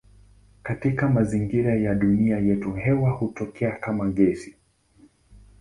Katika mazingira ya dunia yetu hewa hutokea kama gesi.